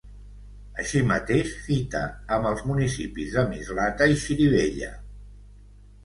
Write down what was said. Així mateix, fita amb els municipis de Mislata i Xirivella.